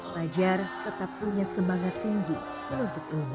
fajar tetap punya semangat tinggi menuntut ilmu